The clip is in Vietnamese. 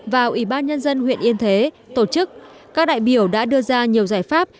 và ủy ban nhân dân huyện yên thế tổ chức các đại biểu đã đưa ra nhiều giải pháp